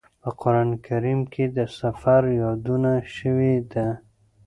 په قران کریم کې د سفر یادونه شوې ده.